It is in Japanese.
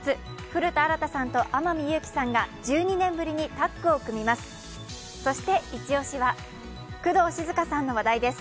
古田新太さんと天海祐希さんが１２年ぶりにタッグを組みます。